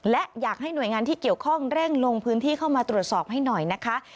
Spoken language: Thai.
และอยากให้หน่วยงานที่เกี่ยวข้องเร่งลงพื้นที่เข้ามาตรวจสอบให้หน่อยนะคะ